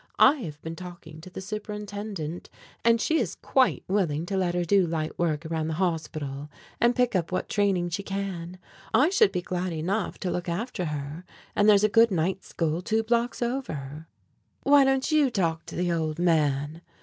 "I have been talking to the superintendent, and she is quite willing to let her do light work around the hospital and pick up what training she can. I should be glad enough to look after her, and there's a good night school two blocks over." "Why don't you talk to the old man?"